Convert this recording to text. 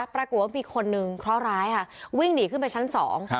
ปรากฏว่ามีคนนึงเคราะหร้ายค่ะวิ่งหนีขึ้นไปชั้นสอง